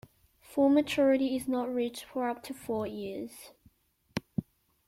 Full maturity is not reached for up to four years.